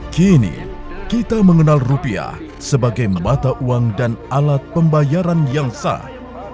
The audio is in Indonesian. kini kita mengenal rupiah sebagai mata uang dan alat pembayaran yang sah